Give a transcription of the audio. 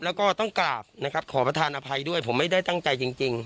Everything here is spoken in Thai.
แล้วก็ต้องกราบนะครับขอประธานอภัยด้วยผมไม่ได้ตั้งใจจริง